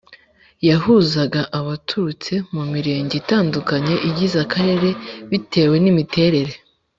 yahuzaga abaturutse mu Mirenge itandukanye igize Akarere bitewe n imiterere